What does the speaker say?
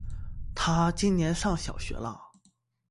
他今年上小学了